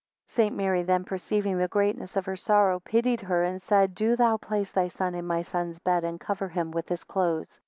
5 St. Mary then perceiving the greatness of her sorrow, pitied her and said, Do thou place thy son in my son's bed, and cover him with his clothes.